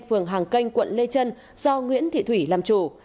phường hàng kênh quận lê trân do nguyễn thị thủy làm chủ